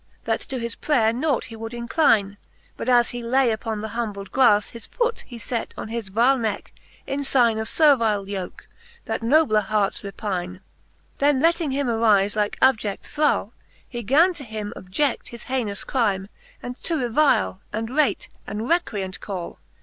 That to his prayer nought he would incline. But as he lay upon the humbled gras. His foot he fet on his vile necke, in figne Of fervile yoke, that nobler harts repine. Then letting him arife like abjedl thrall, He gan to him objed his haynous crime, And to revile, and rate, and recreant call.